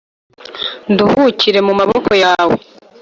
nduhukire mu maboko yawe